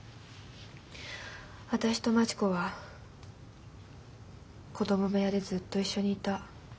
私と待子は子ども部屋でずっと一緒にいた。